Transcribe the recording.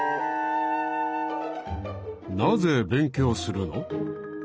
なぜ勉強するの？